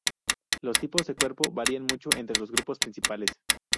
Los tipos de cuerpo varían mucho entre los grupos principales.